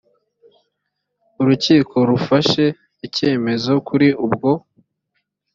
urukiko rufashe icyemezo kuri ubwo